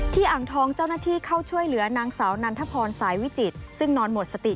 ที่อังทองเจ้าหน้าที่เข้าช่วยเหลือนางสาวนันทพรศายวิจิตร